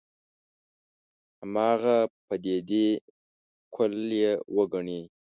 هماغه پدیدې کُل یې وګڼي.